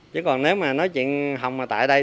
chứ còn nếu mà nói chuyện hồng mà tại đây